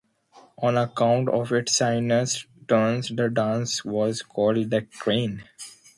"On account of its sinuous turns the dance was called "the Crane."